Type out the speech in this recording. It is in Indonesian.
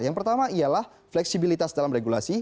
yang pertama ialah fleksibilitas dalam regulasi